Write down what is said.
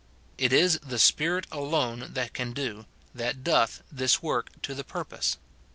It is the Spirit alone that can do, that doth, this work to the pur pose.